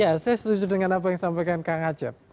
ya saya setuju dengan apa yang disampaikan kang acep